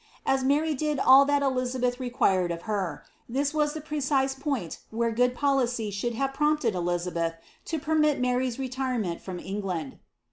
As Mary did all that Elizabeth required of her,, this was the precise point where good policy should have prompted Elizabeth to permit Mary's retirement from England.